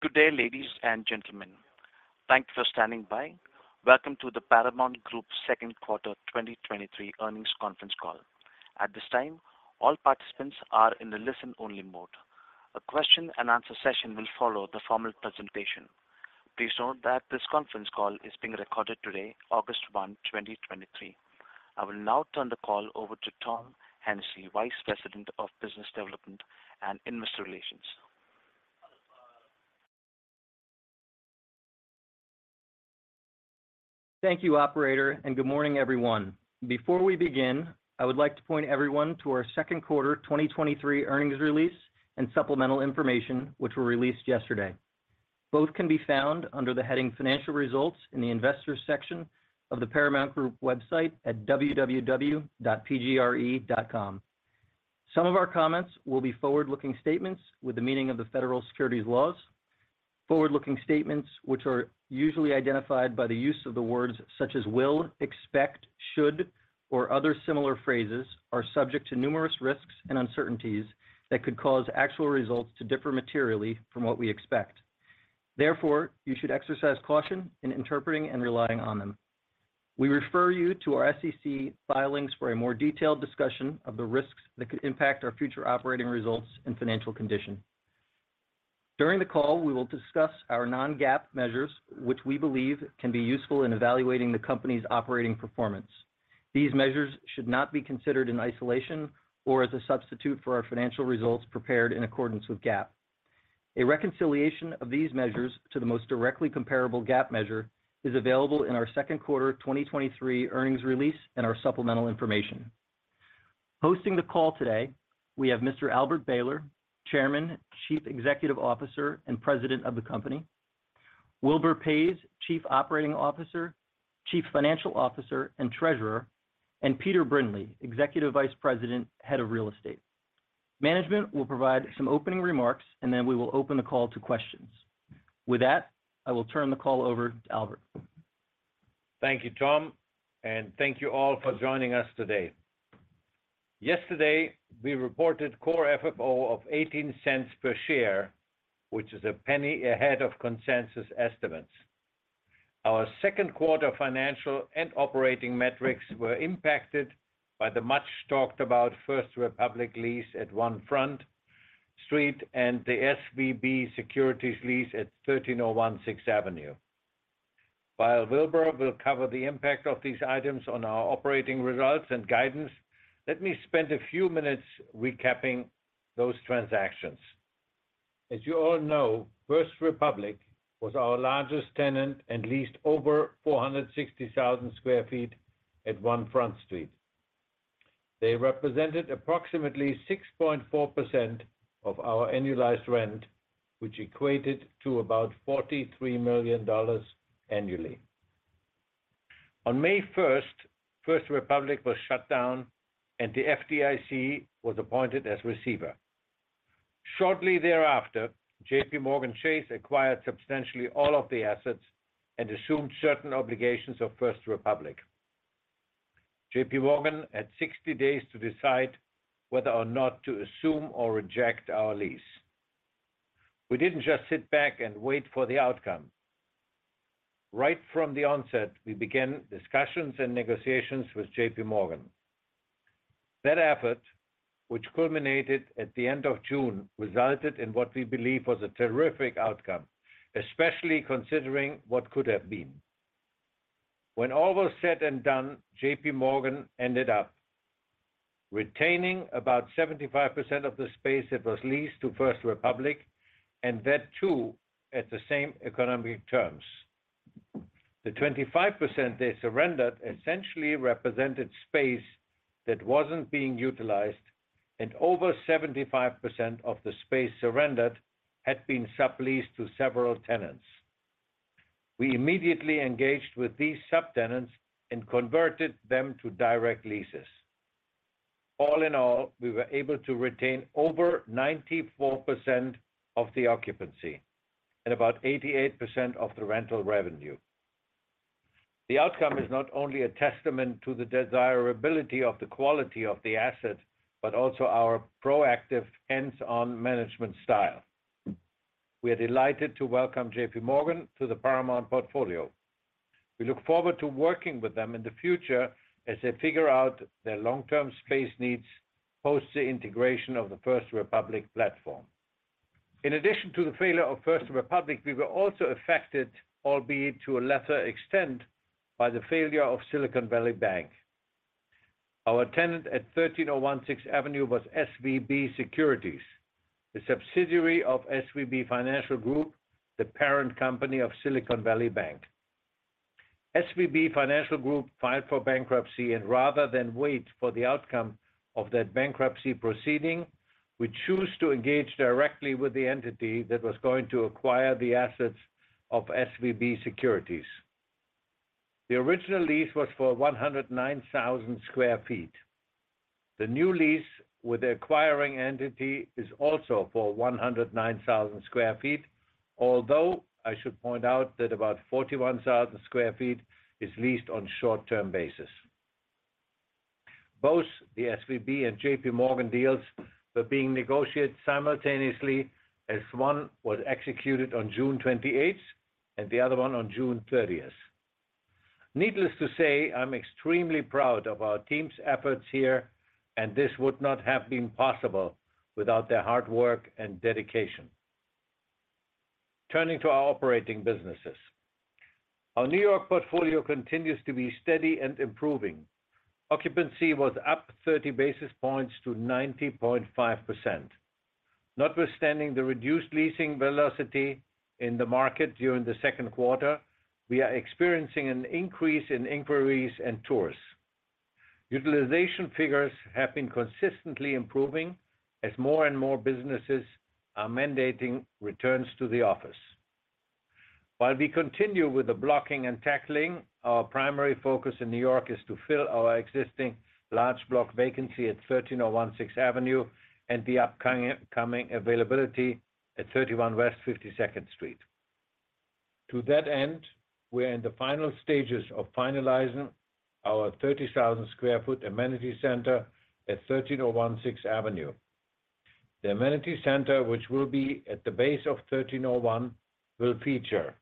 Good day, ladies and gentlemen. Thank you for standing by. Welcome to the Paramount Group Second Quarter 2023 Earnings Conference Call. At this time, all participants are in a listen-only mode. A question-and-answer session will follow the formal presentation. Please note that this conference call is being recorded today, August 1, 2023. I will now turn the call over to Tom Hennessy, Vice President of Business Development and Investor Relations. Thank you, operator, and good morning, everyone. Before we begin, I would like to point everyone to our second quarter 2023 earnings release and supplemental information, which were released yesterday. Both can be found under the heading Financial Results in the Investors section of the Paramount Group website at www.pgre.com. Some of our comments will be forward-looking statements with the meaning of the federal securities laws. Forward-looking statements, which are usually identified by the use of the words such as will, expect, should, or other similar phrases, are subject to numerous risks and uncertainties that could cause actual results to differ materially from what we expect. Therefore, you should exercise caution in interpreting and relying on them. We refer you to our SEC filings for a more detailed discussion of the risks that could impact our future operating results and financial condition. During the call, we will discuss our non-GAAP measures, which we believe can be useful in evaluating the company's operating performance. These measures should not be considered in isolation or as a substitute for our financial results prepared in accordance with GAAP. A reconciliation of these measures to the most directly comparable GAAP measure is available in our second quarter 2023 earnings release and our supplemental information. Hosting the call today, we have Mr. Albert Behler, Chairman, Chief Executive Officer, and President of the company; Wilbur Paes, Chief Operating Officer, Chief Financial Officer, and Treasurer; and Peter Brindley, Executive Vice President, Head of Real Estate. Management will provide some opening remarks, and then we will open the call to questions. With that, I will turn the call over to Albert. Thank you, Tom, and thank you all for joining us today. Yesterday, we reported Core FFO of $0.18 per share, which is $0.01 ahead of consensus estimates. Our second quarter financial and operating metrics were impacted by the much-talked-about First Republic lease at One Front Street and the SVB Securities lease at 1301 Sixth Avenue. While Wilbur will cover the impact of these items on our operating results and guidance, let me spend a few minutes recapping those transactions. As you all know, First Republic was our largest tenant and leased over 460,000 sq ft at One Front Street. They represented approximately 6.4% of our annualized rent, which equated to about $43 million annually. On May 1st, First Republic was shut down, and the FDIC was appointed as receiver. Shortly thereafter, JPMorgan Chase acquired substantially all of the assets and assumed certain obligations of First Republic. JPMorgan had 60 days to decide whether or not to assume or reject our lease. We didn't just sit back and wait for the outcome. Right from the onset, we began discussions and negotiations with JPMorgan. That effort, which culminated at the end of June, resulted in what we believe was a terrific outcome, especially considering what could have been. When all was said and done, JPMorgan ended up retaining about 75% of the space that was leased to First Republic, and that, too, at the same economic terms. The 25% they surrendered essentially represented space that wasn't being utilized, and over 75% of the space surrendered had been subleased to several tenants. We immediately engaged with these subtenants and converted them to direct leases. All in all, we were able to retain over 94% of the occupancy and about 88% of the rental revenue. The outcome is not only a testament to the desirability of the quality of the asset, but also our proactive, hands-on management style. We are delighted to welcome JPMorgan to the Paramount portfolio. We look forward to working with them in the future as they figure out their long-term space needs post the integration of the First Republic platform. In addition to the failure of First Republic, we were also affected, albeit to a lesser extent, by the failure of Silicon Valley Bank. Our tenant at 1301 Sixth Avenue was SVB Securities, a subsidiary of SVB Financial Group, the parent company of Silicon Valley Bank. SVB Financial Group filed for bankruptcy. Rather than wait for the outcome of that bankruptcy proceeding, we chose to engage directly with the entity that was going to acquire the assets of SVB Securities. The original lease was for 109,000 sq ft. The new lease with the acquiring entity is also for 109,000 sq ft, although I should point out that about 41,000 sq ft is leased on a short-term basis. Both the SVB and JPMorgan deals were being negotiated simultaneously, as one was executed on June 28th and the other one on June 30th. Needless to say, I'm extremely proud of our team's efforts here. This would not have been possible without their hard work and dedication. Turning to our operating businesses. Our New York portfolio continues to be steady and improving. Occupancy was up 30 basis points to 90.5%. Notwithstanding the reduced leasing velocity in the market during the second quarter, we are experiencing an increase in inquiries and tours. Utilization figures have been consistently improving as more and more businesses are mandating returns to the office. While we continue with the blocking and tackling, our primary focus in New York is to fill our existing large block vacancy at 1301 Sixth Avenue and the upcoming availability at 31 West 52nd Street. To that end, we are in the final stages of finalizing our 30,000 sq ft amenity center at 1301 Sixth Avenue. The amenity center, which will be at the base of 1301, will feature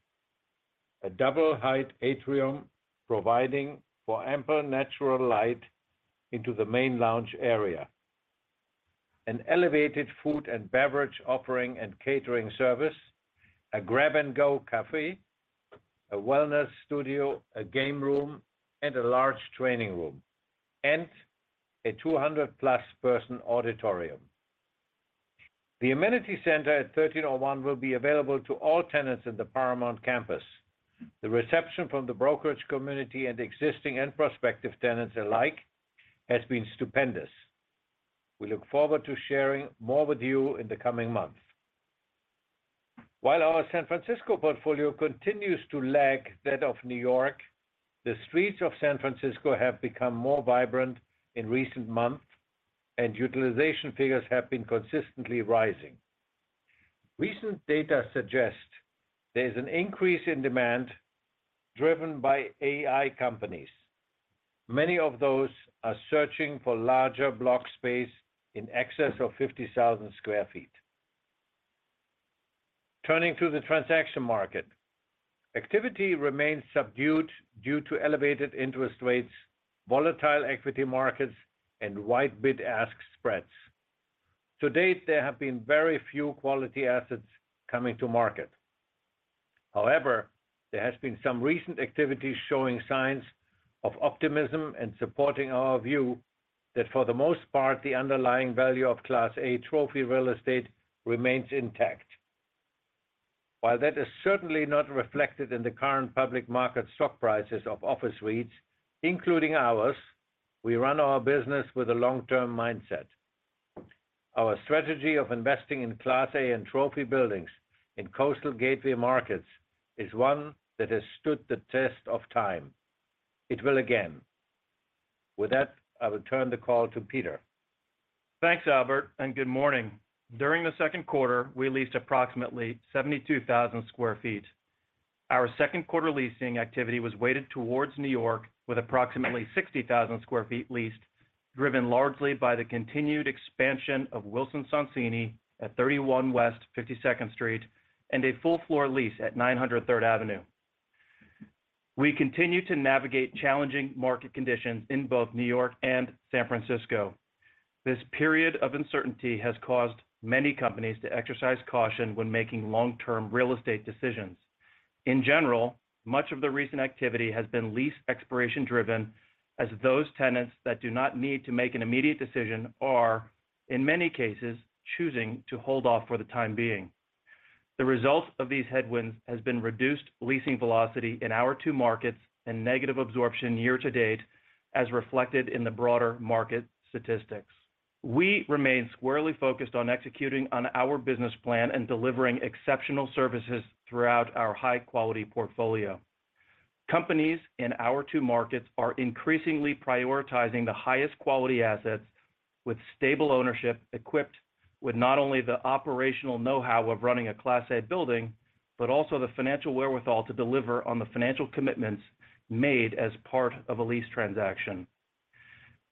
a double-height atrium, providing for ample natural light into the main lounge area. An elevated food and beverage offering and catering service, a grab-and-go cafe, a wellness studio, a game room, and a large training room, and a 200+ person auditorium. The amenity center at 1301 will be available to all tenants in the Paramount campus. The reception from the brokerage community and existing and prospective tenants alike has been stupendous. We look forward to sharing more with you in the coming months. While our San Francisco portfolio continues to lag that of New York, the streets of San Francisco have become more vibrant in recent months, and utilization figures have been consistently rising. Recent data suggest there is an increase in demand driven by AI companies. Many of those are searching for larger block space in excess of 50,000 sq ft. Turning to the transaction market. Activity remains subdued due to elevated interest rates, volatile equity markets, and wide bid-ask spreads. To date, there have been very few quality assets coming to market. However, there has been some recent activity showing signs of optimism and supporting our view that for the most part, the underlying value of Class A trophy real estate remains intact. While that is certainly not reflected in the current public market stock prices of office REITs, including ours, we run our business with a long-term mindset. Our strategy of investing in Class A and trophy buildings in coastal gateway markets is one that has stood the test of time. It will again. With that, I will turn the call to Peter. Thanks, Albert. Good morning. During the second quarter, we leased approximately 72,000 sq ft. Our second quarter leasing activity was weighted towards New York, with approximately 60,000 sq ft leased, driven largely by the continued expansion of Wilson Sonsini at 31 West 52nd Street and a full floor lease at 900 Third Avenue. We continue to navigate challenging market conditions in both New York and San Francisco. This period of uncertainty has caused many companies to exercise caution when making long-term real estate decisions. In general, much of the recent activity has been lease expiration driven, as those tenants that do not need to make an immediate decision are, in many cases, choosing to hold off for the time being. The result of these headwinds has been reduced leasing velocity in our two markets and negative absorption year to date, as reflected in the broader market statistics. We remain squarely focused on executing on our business plan and delivering exceptional services throughout our high-quality portfolio. Companies in our two markets are increasingly prioritizing the highest quality assets with stable ownership, equipped with not only the operational know-how of running a Class A building, but also the financial wherewithal to deliver on the financial commitments made as part of a lease transaction.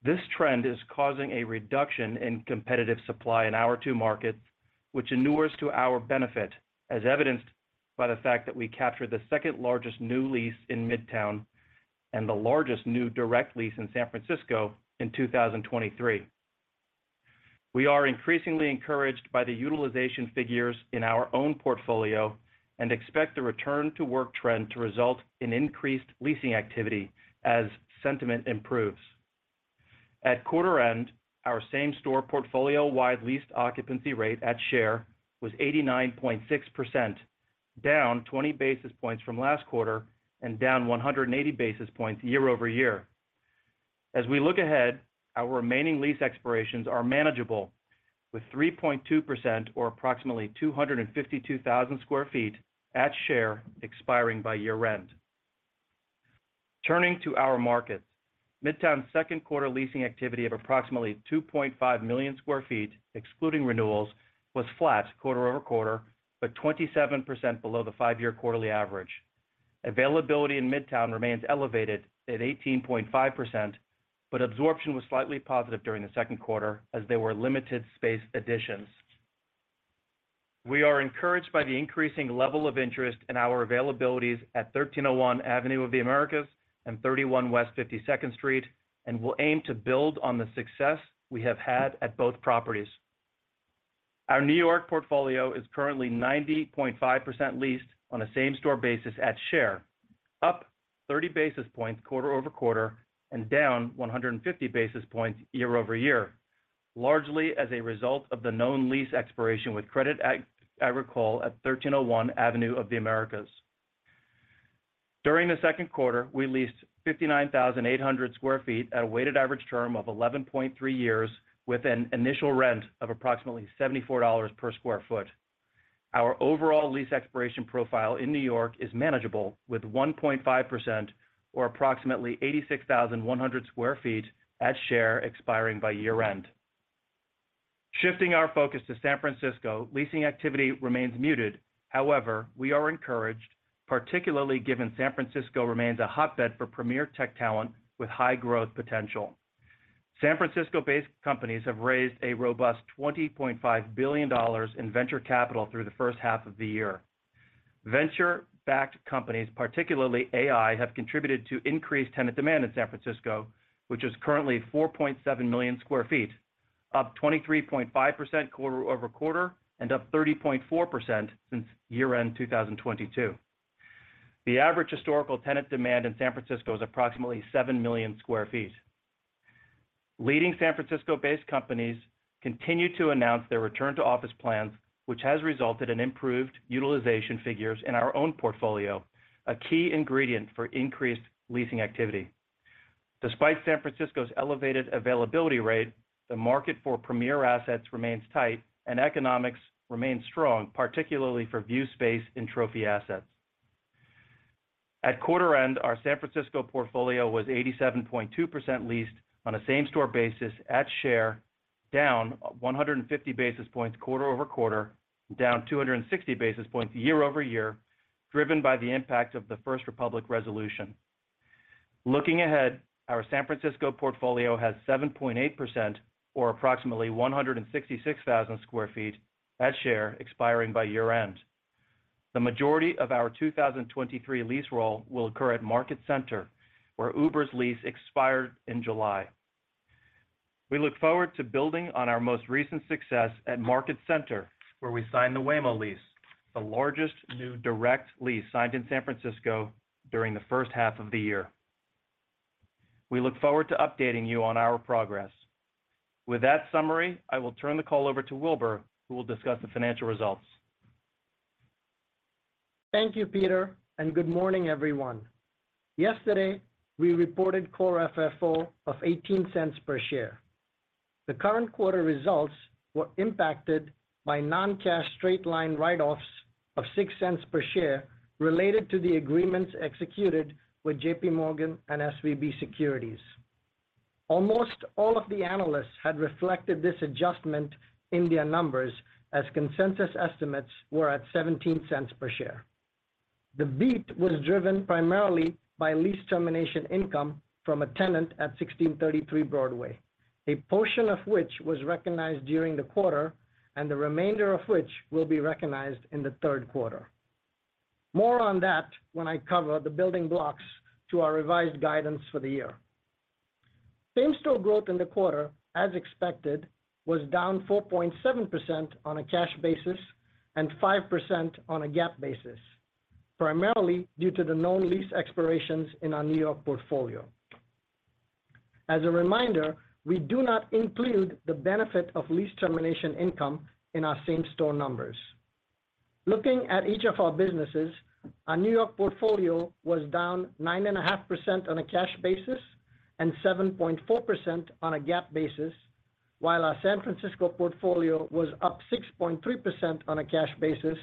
This trend is causing a reduction in competitive supply in our two markets, which inures to our benefit, as evidenced by the fact that we captured the second-largest new lease in Midtown and the largest new direct lease in San Francisco in 2023. We are increasingly encouraged by the utilization figures in our own portfolio and expect the return-to-work trend to result in increased leasing activity as sentiment improves. At quarter end, our same-store portfolio-wide leased occupancy rate at Share was 89.6%, down 20 basis points from last quarter and down 180 basis points year-over-year. We look ahead, our remaining lease expirations are manageable, with 3.2% or approximately 252,000 sq ft at Share expiring by year-end. Turning to our markets. Midtown's second quarter leasing activity of approximately 2.5 million sq ft, excluding renewals, was flat quarter-over-quarter, 27% below the five-year quarterly average. Availability in Midtown remains elevated at 18.5%, absorption was slightly positive during the second quarter as there were limited space additions. We are encouraged by the increasing level of interest in our availabilities at 1301 Avenue of the Americas and 31 West 52nd Street. We'll aim to build on the success we have had at both properties. Our New York portfolio is currently 90.5% leased on a same-store basis at share, up 30 basis points quarter-over-quarter, down 150 basis points year-over-year, largely as a result of the known lease expiration with Crédit Agricole at 1301 Avenue of the Americas. During the second quarter, we leased 59,800 sq ft at a weighted average term of 11.3 years, with an initial rent of approximately $74 per square foot. Our overall lease expiration profile in New York is manageable, with 1.5% or approximately 86,100 sq ft at share expiring by year-end. Shifting our focus to San Francisco, leasing activity remains muted. However, we are encouraged, particularly given San Francisco remains a hotbed for premier tech talent with high growth potential. San Francisco-based companies have raised a robust $20.5 billion in venture capital through the first half of the year. Venture-backed companies, particularly AI, have contributed to increased tenant demand in San Francisco, which is currently 4.7 million sq ft, up 23.5% quarter-over-quarter and up 30.4% since year-end 2022. The average historical tenant demand in San Francisco is approximately 7 million sq ft. Leading San Francisco-based companies continue to announce their return to office plans, which has resulted in improved utilization figures in our own portfolio, a key ingredient for increased leasing activity. Despite San Francisco's elevated availability rate, the market for premier assets remains tight and economics remain strong, particularly for view space and trophy assets. At quarter end, our San Francisco portfolio was 87.2% leased on a same-store basis at share, down 150 basis points quarter-over-quarter, down 260 basis points year-over-year, driven by the impact of the First Republic resolution. Looking ahead, our San Francisco portfolio has 7.8% or approximately 166,000 sq ft at share expiring by year-end. The majority of our 2023 lease roll will occur at Market Center, where Uber's lease expired in July. We look forward to building on our most recent success at Market Center, where we signed the Waymo lease, the largest new direct lease signed in San Francisco during the first half of the year. We look forward to updating you on our progress. With that summary, I will turn the call over to Wilbur, who will discuss the financial results. Thank you, Peter. Good morning, everyone. Yesterday, we reported Core FFO of $0.18 per share. The current quarter results were impacted by non-cash straight-line write-offs of $0.06 per share related to the agreements executed with JPMorgan and SVB Securities. Almost all of the analysts had reflected this adjustment in their numbers as consensus estimates were at $0.17 per share. The beat was driven primarily by lease termination income from a tenant at 1633 Broadway, a portion of which was recognized during the quarter, and the remainder of which will be recognized in the third quarter. More on that when I cover the building blocks to our revised guidance for the year. Same-store growth in the quarter, as expected, was down 4.7% on a cash basis and 5% on a GAAP basis, primarily due to the known lease expirations in our New York portfolio. As a reminder, we do not include the benefit of lease termination income in our same-store numbers. Looking at each of our businesses, our New York portfolio was down 9.5% on a cash basis and 7.4% on a GAAP basis, while our San Francisco portfolio was up 6.3% on a cash basis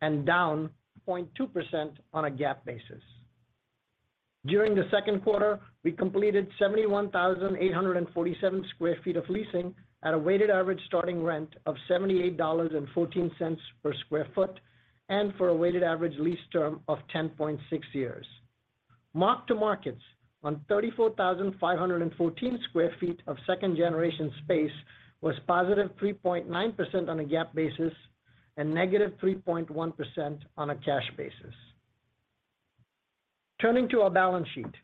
and down 0.2% on a GAAP basis. During the second quarter, we completed 71,847 sq ft of leasing at a weighted average starting rent of $78.14 per square foot, and for a weighted average lease term of 10.6 years. Mark-to-markets on 34,514 sq ft of second-generation space was +3.9% on a GAAP basis and -3.1% on a cash basis. Turning to our balance sheet,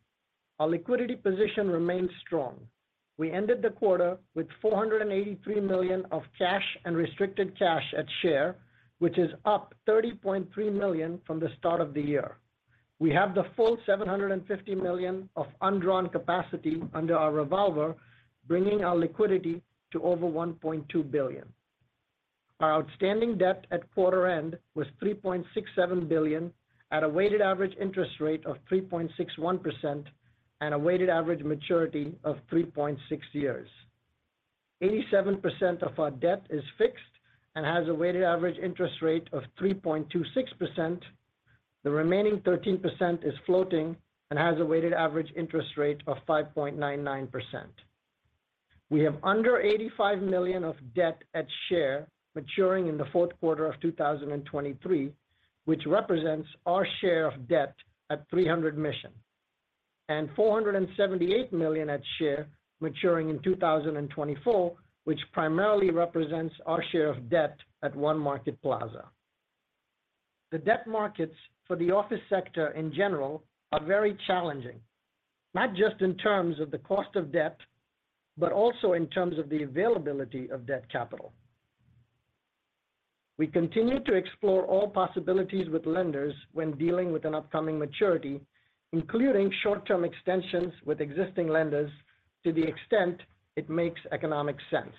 our liquidity position remains strong. We ended the quarter with $483 million of cash and restricted cash at share, which is up $30.3 million from the start of the year. We have the full $750 million of undrawn capacity under our revolver, bringing our liquidity to over $1.2 billion. Our outstanding debt at quarter end was $3.67 billion, at a weighted average interest rate of 3.61% and a weighted average maturity of 3.6 years. 87% of our debt is fixed and has a weighted average interest rate of 3.26%. The remaining 13% is floating and has a weighted average interest rate of 5.99%. We have under $85 million of debt at share, maturing in the fourth quarter of 2023, which represents our share of debt at 300 Mission. $478 million at share, maturing in 2024, which primarily represents our share of debt at One Market Plaza. The debt markets for the office sector in general are very challenging, not just in terms of the cost of debt, but also in terms of the availability of debt capital. We continue to explore all possibilities with lenders when dealing with an upcoming maturity, including short-term extensions with existing lenders to the extent it makes economic sense.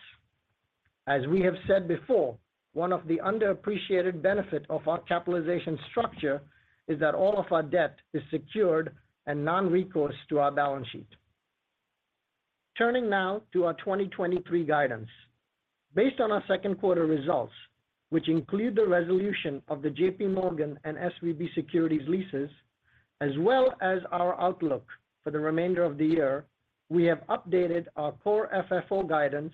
As we have said before, one of the underappreciated benefit of our capitalization structure is that all of our debt is secured and non-recourse to our balance sheet. Turning now to our 2023 guidance. Based on our second quarter results, which include the resolution of the JPMorgan and SVB Securities leases, as well as our outlook for the remainder of the year, we have updated our Core FFO guidance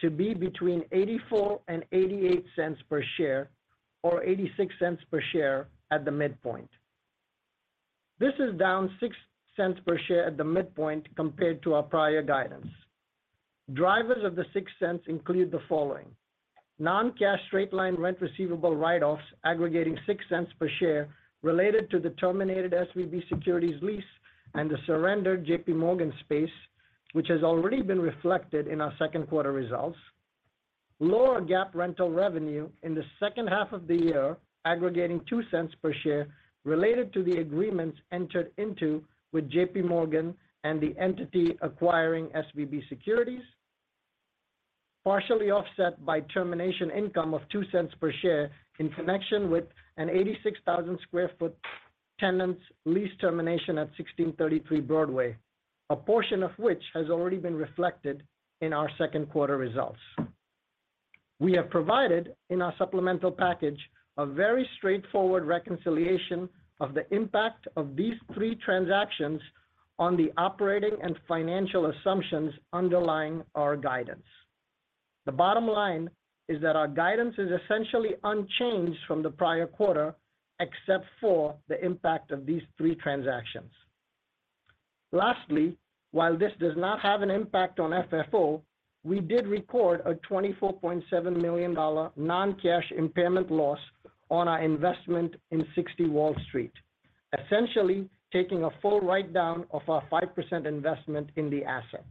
to be between $0.84 and $0.88 per share, or $0.86 per share at the midpoint. This is down $0.06 per share at the midpoint compared to our prior guidance. Drivers of the $0.06 include the following: Non-cash straight-line rent receivable write-offs aggregating $0.06 per share related to the terminated SVB Securities lease and the surrendered JPMorgan space, which has already been reflected in our second quarter results. Lower GAAP rental revenue in the 2H of the year, aggregating $0.02 per share, related to the agreements entered into with JPMorgan and the entity acquiring SVB Securities. Partially offset by termination income of $0.02 per share in connection with an 86,000 sq ft tenant's lease termination at 1633 Broadway, a portion of which has already been reflected in our second quarter results. We have provided, in our supplemental package, a very straightforward reconciliation of the impact of these three transactions on the operating and financial assumptions underlying our guidance. The bottom line is that our guidance is essentially unchanged from the prior quarter, except for the impact of these three transactions. Lastly, while this does not have an impact on FFO, we did record a $24.7 million non-cash impairment loss on our investment in 60 Wall Street, essentially taking a full write down of our 5% investment in the asset.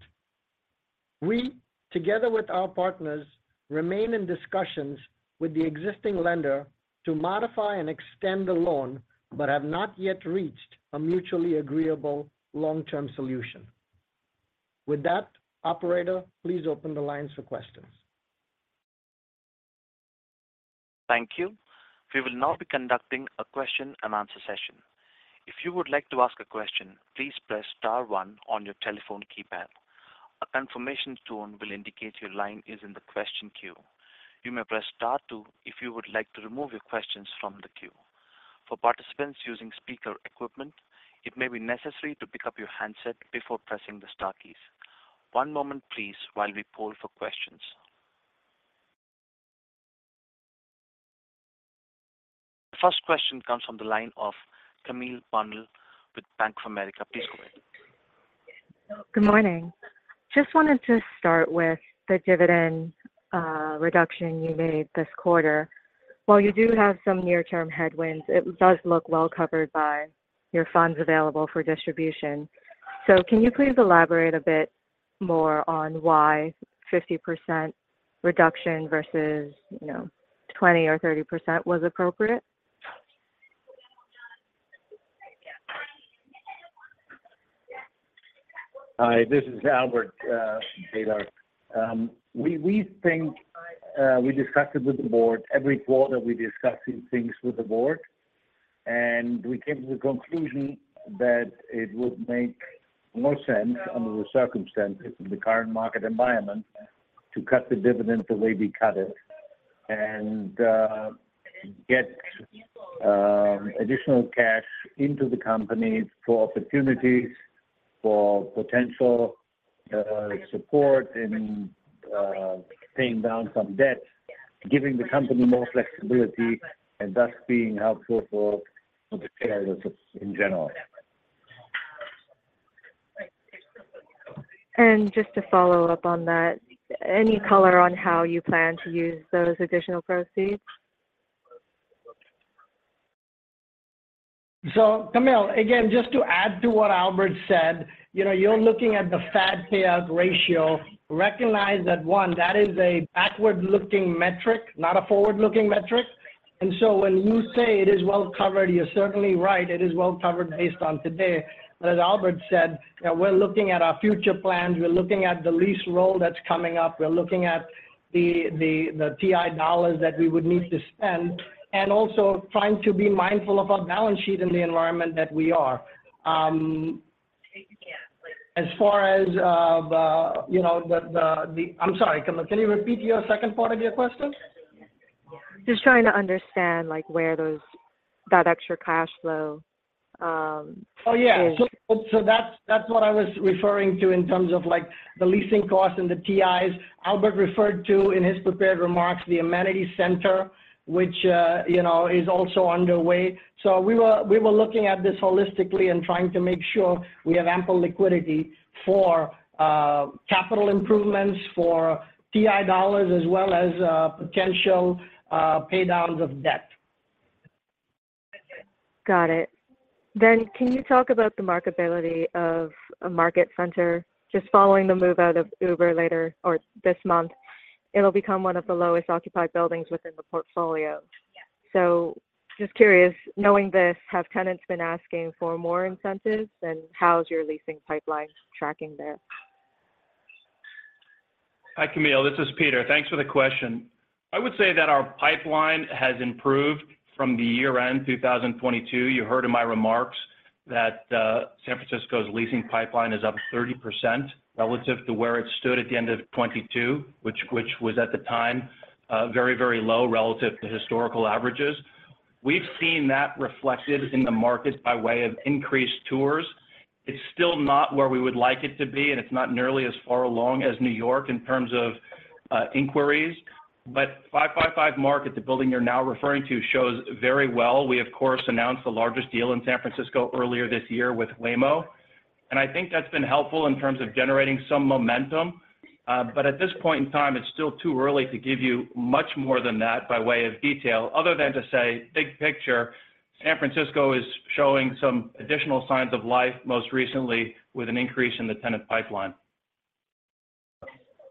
We, together with our partners, remain in discussions with the existing lender to modify and extend the loan, but have not yet reached a mutually agreeable long-term solution. That, operator, please open the lines for questions. Thank you. We will now be conducting a question and answer session. If you would like to ask a question, please press star one on your telephone keypad. A confirmation tone will indicate your line is in the question queue. You may press star two if you would like to remove your questions from the queue. For participants using speaker equipment, it may be necessary to pick up your handset before pressing the star keys. One moment, please, while we poll for questions. First question comes from the line of Camille Bonnel with Bank of America. Please go ahead. Good morning. Just wanted to start with the dividend, reduction you made this quarter. While you do have some near-term headwinds, it does look well covered by your Funds Available for Distribution. Can you please elaborate a bit more on why 50% reduction versus, you know, 20% or 30% was appropriate? Hi, this is Albert Behler. We, we think, we discussed it with the board. Every quarter, we're discussing things with the board, and we came to the conclusion that it would make more sense under the circumstances of the current market environment to cut the dividend the way we cut it, and get additional cash into the company for opportunities, for potential support in paying down some debt, giving the company more flexibility and thus being helpful for the shareholders in general. Just to follow up on that, any color on how you plan to use those additional proceeds? Camille, again, just to add to what Albert said, you know, you're looking at the FAD payout ratio. Recognize that, one, that is a backward-looking metric, not a forward-looking metric. When you say it is well covered, you're certainly right, it is well covered based on today. As Albert said, we're looking at our future plans, we're looking at the lease roll that's coming up, we're looking at the, the, the TI dollars that we would need to spend, and also trying to be mindful of our balance sheet in the environment that we are. As far as, I'm sorry, Camille, can you repeat your second part of your question? Just trying to understand, like, where those, that extra cash flow. Oh, yeah. That's, that's what I was referring to in terms of, like, the leasing costs and the TIs. Albert referred to, in his prepared remarks, the amenity center, which, you know, is also underway. We were, we were looking at this holistically and trying to make sure we have ample liquidity for, capital improvements, for TI dollars, as well as, potential, pay downs of debt. Got it. Can you talk about the marketability of a Market Center? Just following the move out of Uber later or this month, it'll become one of the lowest occupied buildings within the portfolio. Just curious, knowing this, have tenants been asking for more incentives, and how's your leasing pipeline tracking there? Hi, Camille, this is Peter. Thanks for the question. I would say that our pipeline has improved from the year-end 2022. You heard in my remarks that San Francisco's leasing pipeline is up 30% relative to where it stood at the end of 2022, which, which was at the time, very, very low relative to historical averages. We've seen that reflected in the market by way of increased tours. It's still not where we would like it to be, and it's not nearly as far along as New York in terms of inquiries. five, five, five Market, the building you're now referring to, shows very well. We, of course, announced the largest deal in San Francisco earlier this year with Waymo, and I think that's been helpful in terms of generating some momentum. At this point in time, it's still too early to give you much more than that by way of detail, other than to say, big picture, San Francisco is showing some additional signs of life, most recently with an increase in the tenant pipeline.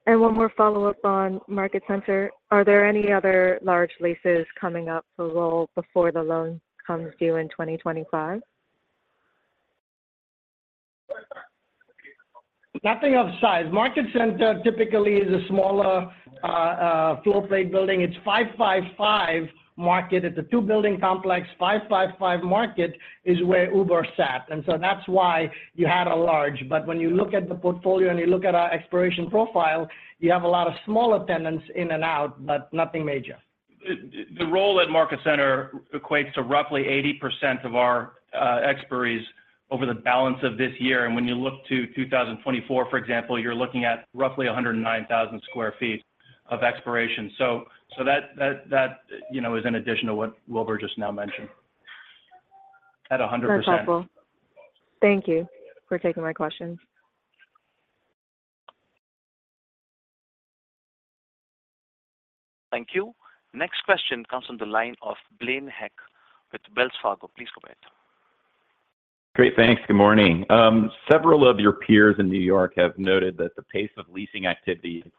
One more follow-up on Market Center. Are there any other large leases coming up for roll before the loan comes due in 2025? Nothing of size. Market Center typically is a smaller, floorplate building. It's 555 Market. It's a two-building complex. 555 Market is where Uber sat, and so that's why you had a large. When you look at the portfolio and you look at our expiration profile, you have a lot of smaller tenants in and out, but nothing major. The, the role at Market Center equates to roughly 80% of our expiries over the balance of this year. When you look to 2024, for example, you're looking at roughly 109,000 sq ft of expiration. That, you know, is in addition to what Wilbur just now mentioned. At 100%. That's helpful. Thank you for taking my questions. Thank you. Next question comes from the line of Blaine Heck with Wells Fargo. Please go ahead. Great. Thanks. Good morning. Several of your peers in New York have noted that the pace of leasing activity in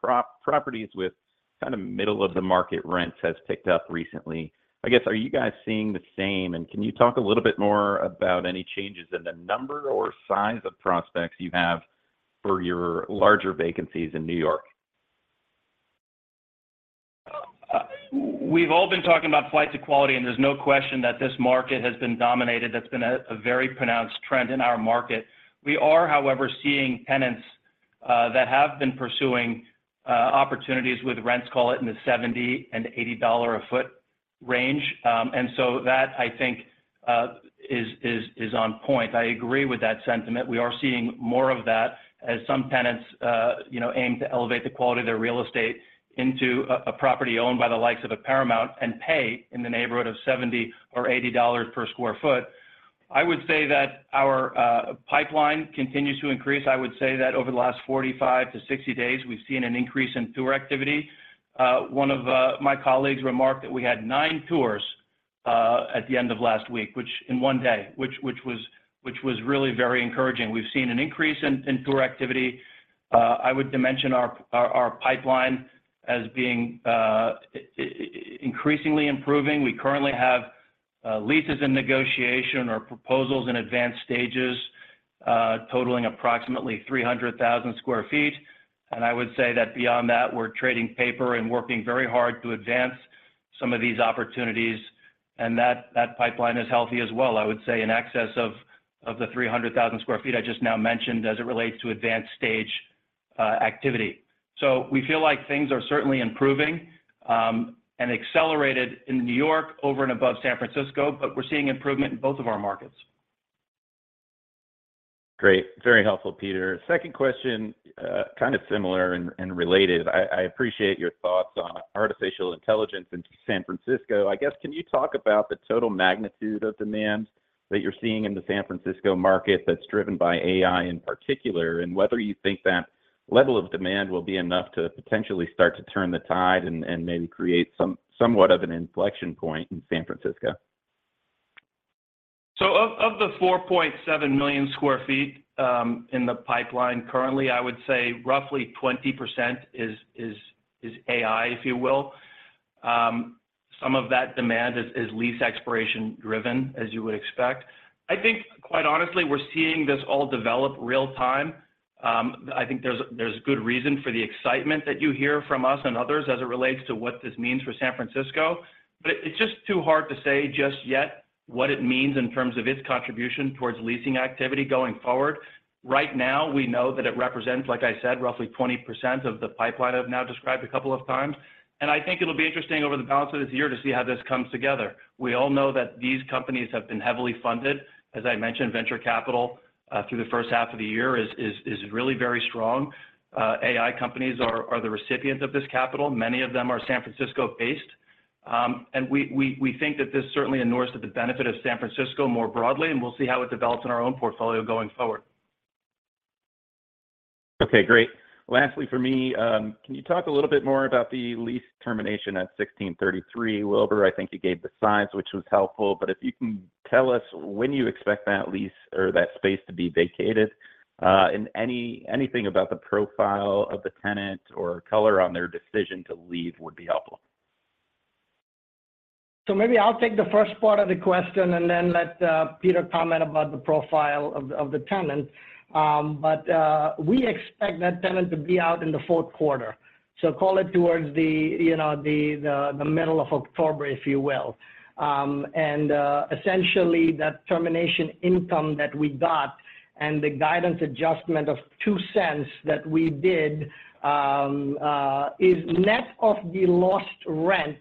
properties with kind of middle of the market rents has picked up recently. I guess, are you guys seeing the same, and can you talk a little bit more about any changes in the number or size of prospects you have for your larger vacancies in New York? We've all been talking about flight to quality, and there's no question that this market has been dominated. That's been a, a very pronounced trend in our market. We are, however, seeing tenants that have been pursuing opportunities with rents, call it in the $70 and $80 a foot range. So that, I think, is, is, is on point. I agree with that sentiment. We are seeing more of that as some tenants, you know, aim to elevate the quality of their real estate into a, a property owned by the likes of a Paramount and pay in the neighborhood of $70 or $80 per square foot. I would say that our pipeline continues to increase. I would say that over the last 45 to 60 days, we've seen an increase in tour activity. One of my colleagues remarked that we had nine tours at the end of last week, which in one day, which, which was, which was really very encouraging. We've seen an increase in, in tour activity. I would dimension our, our, our pipeline as being increasingly improving. We currently have leases in negotiation or proposals in advanced stages, totaling approximately 300,000 sq ft. I would say that beyond that, we're trading paper and working very hard to advance some of these opportunities, and that, that pipeline is healthy as well. I would say in excess of, of the 300,000 sq ft I just now mentioned as it relates to advanced stage activity. We feel like things are certainly improving, and accelerated in New York over and above San Francisco, but we're seeing improvement in both of our markets. Great. Very helpful, Peter. Second question, kind of similar and, and related. I, I appreciate your thoughts on artificial intelligence in San Francisco. I guess, can you talk about the total magnitude of demand that you're seeing in the San Francisco market that's driven by AI in particular, and whether you think that level of demand will be enough to potentially start to turn the tide and, and maybe create somewhat of an inflection point in San Francisco? Of, of the 4.7 million sq ft in the pipeline, currently, I would say roughly 20% is, is, is AI, if you will. Some of that demand is, is lease expiration driven, as you would expect. I think, quite honestly, we're seeing this all develop real time. I think there's, there's good reason for the excitement that you hear from us and others as it relates to what this means for San Francisco. It's just too hard to say just yet, what it means in terms of its contribution towards leasing activity going forward. Right now, we know that it represents, like I said, roughly 20% of the pipeline I've now described a couple of times. I think it'll be interesting over the balance of this year to see how this comes together. We all know that these companies have been heavily funded. As I mentioned, venture capital, through the first half of the year is, is, is really very strong. AI companies are, are the recipient of this capital. Many of them are San Francisco-based, and we, we, we think that this certainly inures to the benefit of San Francisco more broadly, and we'll see how it develops in our own portfolio going forward. Okay, great. Lastly, for me, can you talk a little bit more about the lease termination at 1633? Wilbur, I think you gave the size, which was helpful, but if you can tell us when you expect that lease or that space to be vacated, and anything about the profile of the tenant or color on their decision to leave would be helpful. Maybe I'll take the first part of the question and then let Peter comment about the profile of the tenant. We expect that tenant to be out in the fourth quarter. Call it towards the, you know, the middle of October, if you will. Essentially, that termination income that we got and the guidance adjustment of $0.02 that we did is net of the lost rent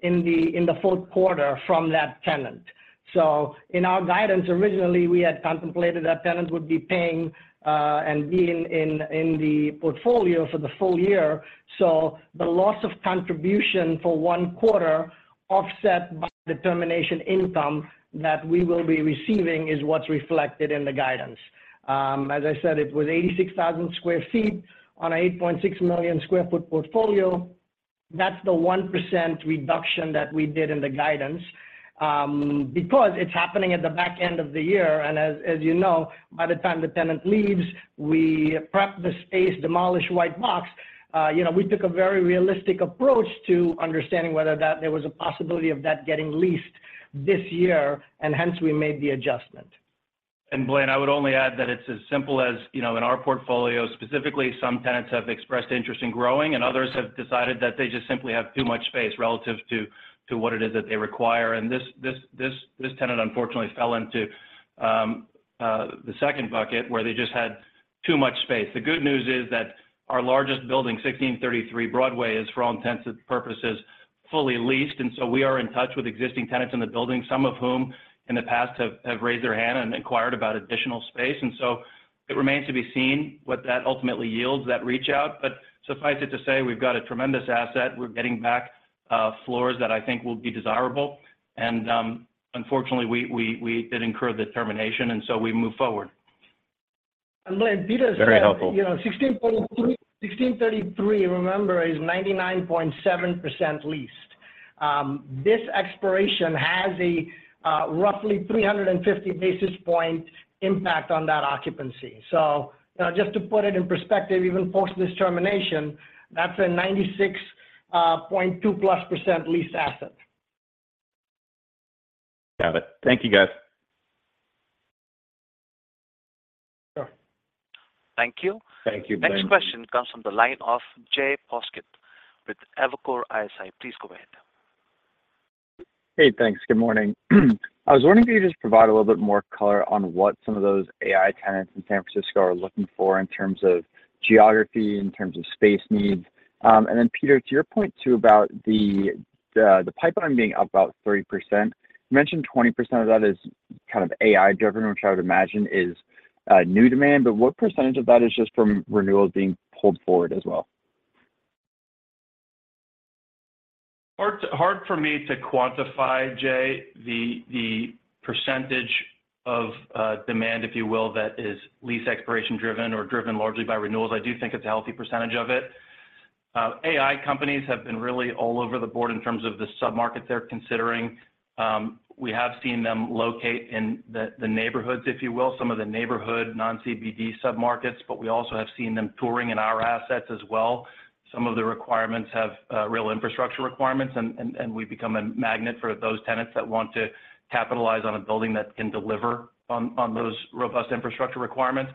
in the fourth quarter from that tenant. In our guidance, originally, we had contemplated that tenant would be paying and be in the portfolio for the full year. The loss of contribution for one quarter, offset by the termination income that we will be receiving, is what's reflected in the guidance. As I said, it was 86,000 sq ft on a 8.6 million sq ft portfolio. That's the 1% reduction that we did in the guidance. Because it's happening at the back end of the year, and as, as you know, by the time the tenant leaves, we prep the space, demolish white box. You know, we took a very realistic approach to understanding whether that there was a possibility of that getting leased this year, and hence we made the adjustment. Blaine, I would only add that it's as simple as, you know, in our portfolio, specifically, some tenants have expressed interest in growing, and others have decided that they just simply have too much space relative to what it is that they require. This tenant unfortunately fell into the second bucket, where they just had too much space. The good news is that our largest building, 1633 Broadway, is, for all intents and purposes, fully leased, so we are in touch with existing tenants in the building, some of whom in the past have raised their hand and inquired about additional space. It remains to be seen what that ultimately yields, that reach out. Suffice it to say, we've got a tremendous asset. We're getting back floors that I think will be desirable. Unfortunately, we, we, we did incur the termination, and so we move forward. Blaine, Peter said- Very helpful. You know, 1633, remember, is 99.7% leased. This expiration has a roughly 350 basis point impact on that occupancy. Just to put it in perspective, even post this termination, that's a 96.2%+ leased asset. Got it. Thank you, guys. Sure. Thank you. Thank you, Blaine. Next question comes from the line of Jay Poskitt with Evercore ISI. Please go ahead. Hey, thanks. Good morning. I was wondering if you could just provide a little bit more color on what some of those AI tenants in San Francisco are looking for in terms of geography, in terms of space needs. Then Peter, to your point, too, about the, the, the pipeline being up about 30%. You mentioned 20% of that is kind of AI-driven, which I would imagine is new demand, but what percentage of that is just from renewals being pulled forward as well? Hard, hard for me to quantify, Jay, the, the percentage of demand, if you will, that is lease expiration driven or driven largely by renewals. I do think it's a healthy percentage of it. AI companies have been really all over the board in terms of the submarket they're considering. We have seen them locate in the, the neighborhoods, if you will, some of the neighborhood, non-CBD submarkets, but we also have seen them touring in our assets as well. Some of the requirements have real infrastructure requirements, and, and, and we've become a magnet for those tenants that want to capitalize on a building that can deliver on, on those robust infrastructure requirements.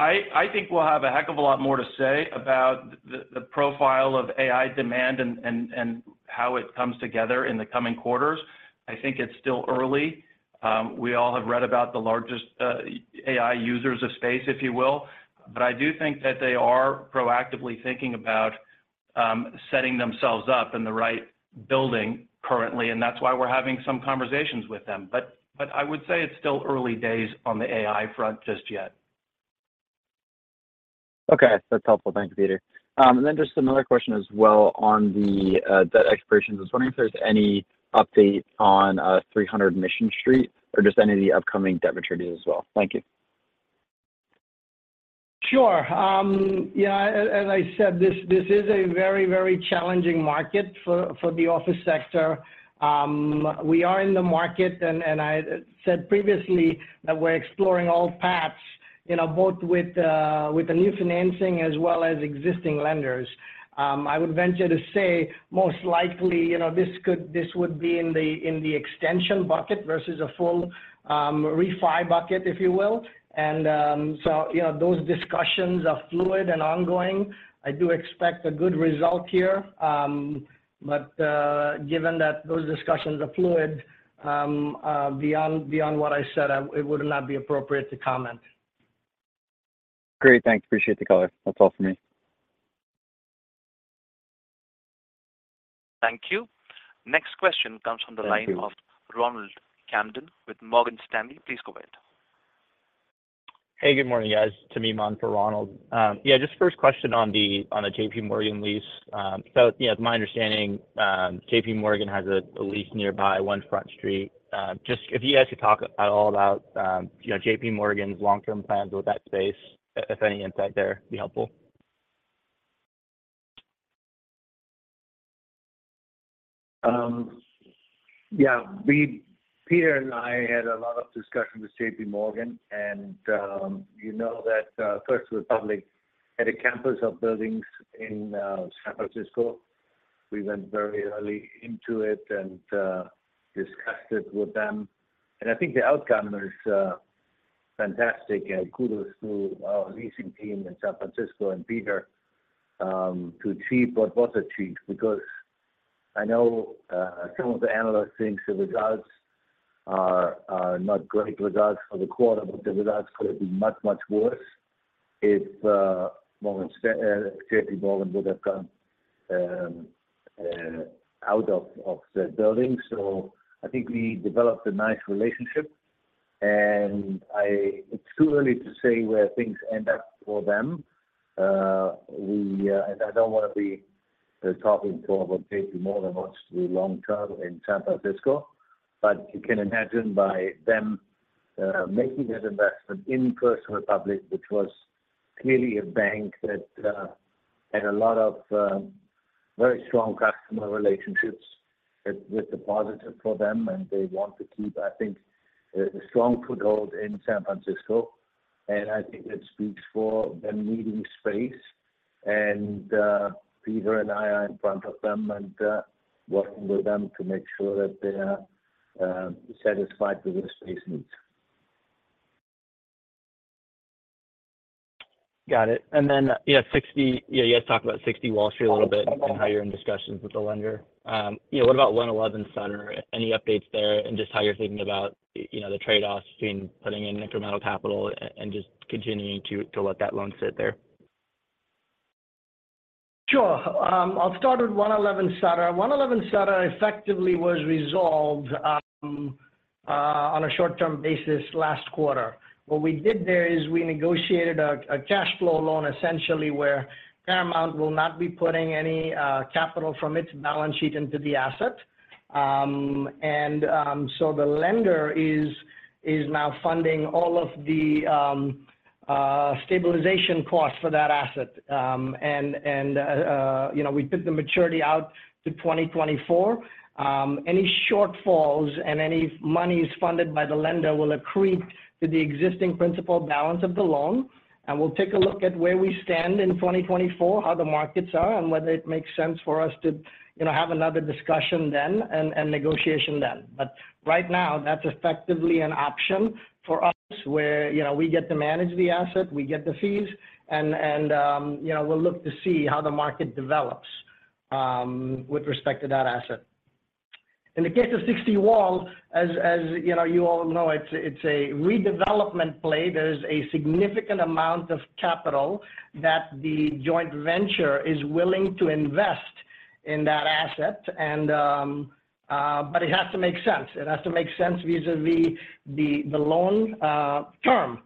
I, I think we'll have a heck of a lot more to say about the, the profile of AI demand and, and, and how it comes together in the coming quarters. I think it's still early. We all have read about the largest, AI users of space, if you will, but I do think that they are proactively thinking about, setting themselves up in the right building currently, and that's why we're having some conversations with them. But I would say it's still early days on the AI front just yet. Okay, that's helpful. Thank you, Peter. Just another question as well on the debt expirations. I was wondering if there's any update on 300 Mission Street or just any of the upcoming debt maturities as well. Thank you. Sure. Yeah, as, as I said, this, this is a very, very challenging market for, for the office sector. We are in the market, and I said previously that we're exploring all paths, you know, both with the new financing as well as existing lenders. I would venture to say, most likely, you know, this would be in the, in the extension bucket versus a full refi bucket, if you will. You know, those discussions are fluid and ongoing. I do expect a good result here, given that those discussions are fluid, beyond, beyond what I said, it would not be appropriate to comment. Great, thanks. Appreciate the call. That's all for me. Thank you. Next question comes from the line- Thank you. Of Ronald Kamdem with Morgan Stanley. Please go ahead. Hey, good morning, guys. It's Tamim on for Ronald. Yeah, just first question on the, on the JPMorgan lease. Yeah, it's my understanding, JPMorgan has a, a lease nearby, One Front Street. Just if you guys could talk at all about, you know, JPMorgan's long-term plans with that space, if any insight there, be helpful. Yeah, we-- Peter and I had a lot of discussion with JPMorgan, and you know that First Republic had a campus of buildings in San Francisco. We went very early into it and discussed it with them. I think the outcome was fantastic, and kudos to our leasing team in San Francisco and Peter to achieve what was achieved. Because I know some of the analysts think the results are, are not great results for the quarter, but the results could have been much, much worse if JPMorgan would have gone out of, of the building. I think we developed a nice relationship, and I-- it's too early to say where things end up for them. We. I don't want to be talking for about JPMorgan about the long term in San Francisco, but you can imagine by them making that investment in First Republic, which was clearly a bank that had a lot of very strong customer relationships with, with depositors for them, and they want to keep, I think, a strong foothold in San Francisco. I think it speaks for them needing space, and Peter and I are in front of them and working with them to make sure that they are satisfied with their space needs. Got it. Yeah, yeah, you guys talked about 60 Wall Street a little bit and how you're in discussions with the lender. You know, what about 111 Sutter? Any updates there, and just how you're thinking about, you know, the trade-offs between putting in incremental capital and just continuing to let that loan sit there? Sure. I'll start with 111 Sutter. 111 Sutter effectively was resolved on a short-term basis last quarter. What we did there is we negotiated a cash flow loan, essentially, where Paramount will not be putting any capital from its balance sheet into the asset. The lender is now funding all of the stabilization costs for that asset. You know, we took the maturity out to 2024. Any shortfalls and any monies funded by the lender will accrue to the existing principal balance of the loan, and we'll take a look at where we stand in 2024, how the markets are, and whether it makes sense for us to, you know, have another discussion then and negotiation then. Right now, that's effectively an option for us where, you know, we get to manage the asset, we get the fees, and, and, you know, we'll look to see how the market develops with respect to that asset. In the case of 60 Wall, as, as, you know, you all know, it's, it's a redevelopment play. There's a significant amount of capital that the joint venture is willing to invest in that asset, and, but it has to make sense. It has to make sense vis-a-vis the, the loan term.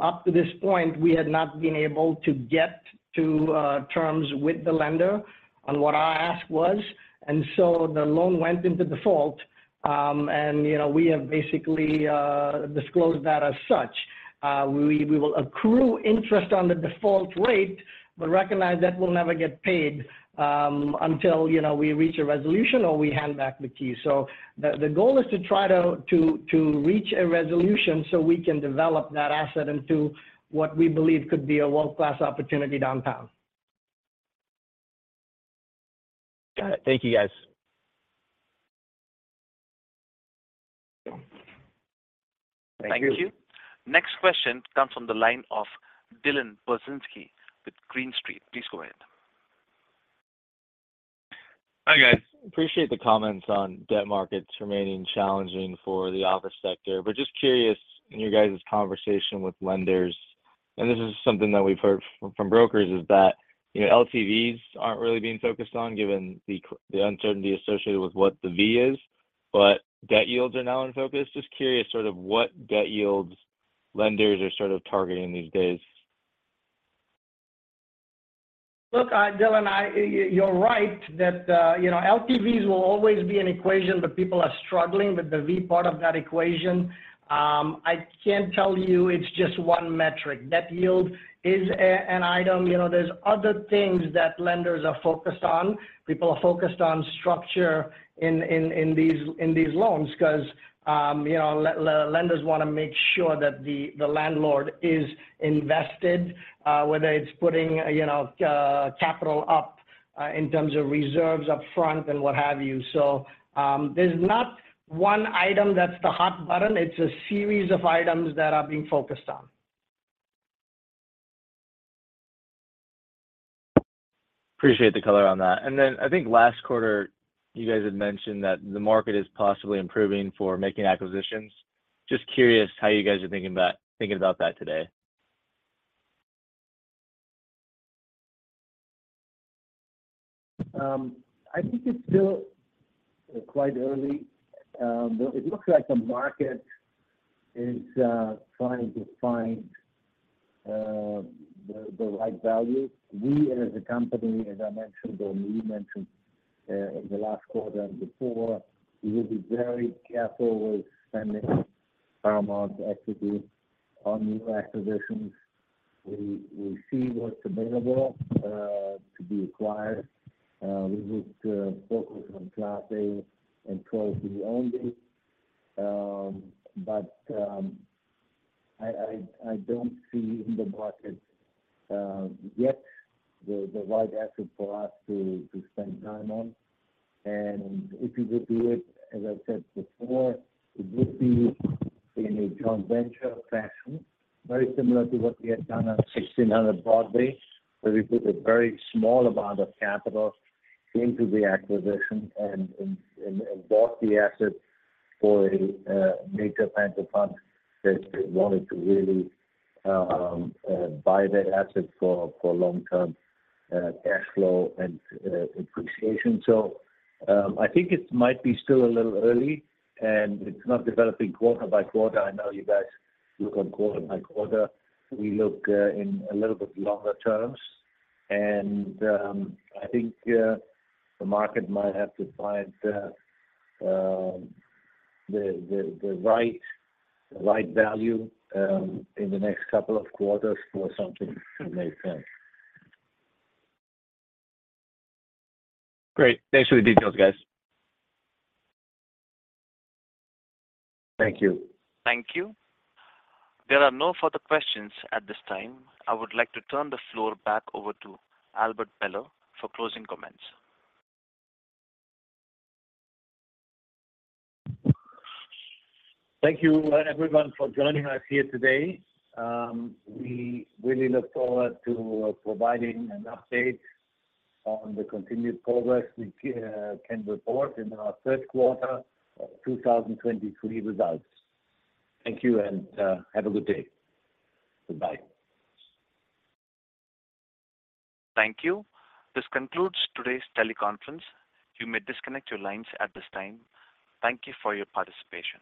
Up to this point, we had not been able to get to terms with the lender on what our ask was, and so the loan went into default. You know, we have basically disclosed that as such. We, we will accrue interest on the default rate but recognize that we'll never get paid, until, you know, we reach a resolution or we hand back the key. The, the goal is to try to, to, to reach a resolution so we can develop that asset into what we believe could be a world-class opportunity downtown. Got it. Thank you, guys. Thank you. Thank you. Next question comes from the line of Dylan Burzinski with Green Street. Please go ahead. Hi, guys. Appreciate the comments on debt markets remaining challenging for the office sector. Just curious, in you guys' conversation with lenders, and this is something that we've heard from, from brokers, is that, you know, LTVs aren't really being focused on, given the uncertainty associated with what the V is, but debt yield are now in focus. Just curious, sort of what debt yield lenders are sort of targeting these days? Look, Dylan, I, you're right that, you know, LTVs will always be an equation, but people are struggling with the V part of that equation. I can't tell you it's just one metric. Debt yield is an item. You know, there's other things that lenders are focused on. People are focused on structure in these loans because, you know, lenders want to make sure that the landlord is invested, whether it's putting, you know, capital up in terms of reserves up front and what have you. There's not one item that's the hot button. It's a series of items that are being focused on. Appreciate the color on that. Then I think last quarter, you guys had mentioned that the market is possibly improving for making acquisitions. Just curious how you guys are thinking about, thinking about that today? I think it's still quite early, it looks like the market is trying to find the right value. We as a company, as I mentioned, or we mentioned, in the last quarter and before, we will be very careful with spending Paramount equity on new acquisitions. We, we see what's available to be acquired. We would focus on Class A and trophy only. I, I, I don't see in the market yet, the right asset for us to spend time on. If you would do it, as I said before, it would be in a joint venture fashion, very similar to what we had done at 1600 Broadway, where we put a very small amount of capital into the acquisition and bought the asset for a major pension fund that wanted to really buy that asset for long-term cash flow and appreciation. I think it might be still a little early, and it's not developing quarter by quarter. I know you guys look on quarter by quarter. We look in a little bit longer terms. I think the market might have to find the right value in the next couple of quarters for something to make sense. Great. Thanks for the details, guys. Thank you. Thank you. There are no further questions at this time. I would like to turn the floor back over to Albert Behler for closing comments. Thank you, everyone, for joining us here today. We really look forward to providing an update on the continued progress we can report in our third quarter of 2023 results. Thank you, and, have a good day. Goodbye. Thank you. This concludes today's teleconference. You may disconnect your lines at this time. Thank you for your participation.